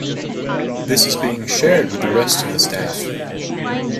This is being shared with the rest of the staff.